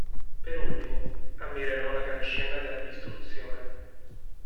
Per ultimo, ammirerò la gran scena della distruzione.